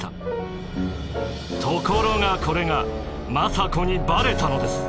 ところがこれが政子にバレたのです。